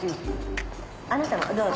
あなたもどうぞ。